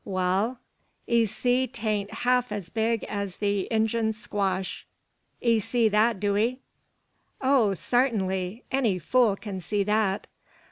Wal; 'ee see 'tain't half as big as the Injun's squash. 'Ee see that, do 'ee?" "Oh, sartinly! Any fool can see that."